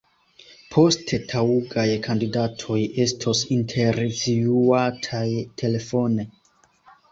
Poste taŭgaj kandidatoj estos intervjuataj telefone.